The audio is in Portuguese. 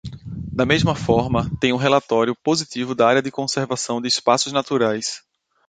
Da mesma forma, tem o relatório positivo da Área de Conservação de Espaços Naturais.